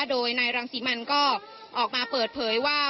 โดยนายรังสิมันก็ออกมาเปิดเผยว่า